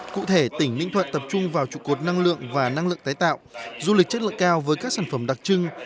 cụ thể tỉnh ninh thuận tập trung vào trụ cột năng lượng và năng lượng tái tạo du lịch chất lượng cao với các sản phẩm đặc trưng